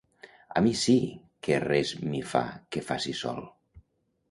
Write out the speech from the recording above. A mi sí que res m'hi fa que faci sol.